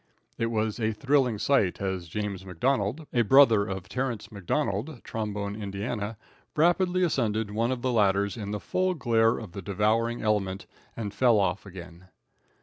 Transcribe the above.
It was a thrilling sight as James McDonald, a brother of Terrance McDonald, Trombone, Ind., rapidly ascended one of the ladders in the full glare of the devouring element and fell off again.